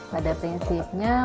pada prinsipnya operasi ya